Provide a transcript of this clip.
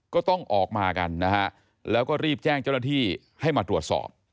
ก็ต้องออกมากันนะฮะแล้วก็รีบแจ้งเจ้าหน้าที่ให้มาตรวจสอบ